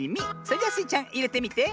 それじゃスイちゃんいれてみて。